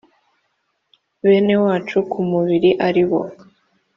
bene wacu ku mubiri b ari bo